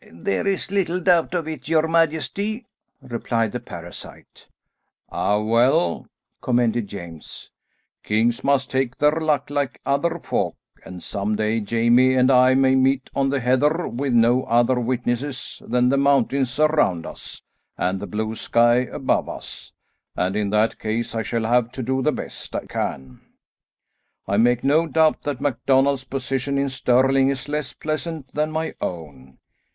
"There is little doubt of it, your majesty," replied the parasite. "Ah, well," commented James, "kings must take their luck like other folk, and some day Jamie and I may meet on the heather with no other witnesses than the mountains around us and the blue sky above us, and in that case I shall have to do the best I can. I make no doubt that MacDonald's position in Stirling is less pleasant than my own.